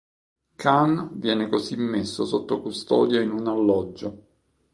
Khan viene così messo sotto custodia in un alloggio.